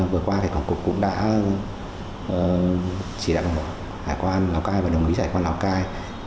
vừa qua cục cũng đã chỉ đạo hải quan lào cai và đồng ý hải quan lào cai